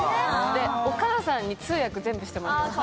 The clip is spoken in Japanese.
お母さんに通訳全部してもらってました。